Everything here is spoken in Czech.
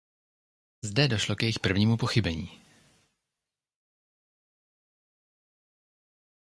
Zde došlo k jejich prvnímu pochybení.